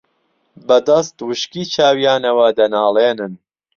بەدەست وشکی چاویانەوە دەناڵێنن